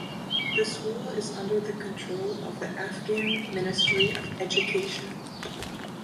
The school is under the control of the Afghan Ministry of Education.